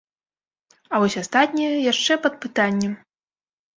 А вось астатняе яшчэ пад пытаннем.